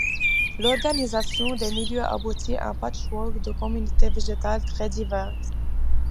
L'organisation des milieux aboutit à un patchwork de communautés végétales très diverses.